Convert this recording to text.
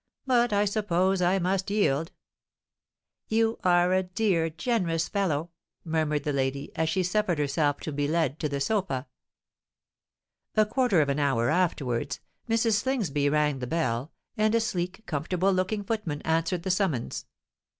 "But I suppose I must yield——" "You are a dear, generous fellow," murmured the lady, as she suffered herself to be led to the sofa. A quarter of an hour afterwards, Mrs. Slingsby rang the bell; and a sleek, comfortable looking footman answered the summons.